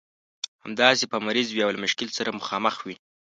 همداسې به مریض وي او له مشکل سره مخامخ وي.